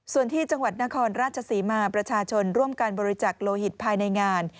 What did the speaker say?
ส่วนที่จังหวัดนครราชศรีมาประชาชนร่วมการบริจักษ์โลหิตภายในงาน